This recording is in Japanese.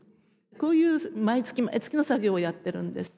こういう毎月毎月の作業をやってるんです。